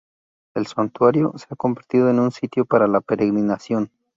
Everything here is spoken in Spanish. El santuario se ha convertido en un sitio para la peregrinación.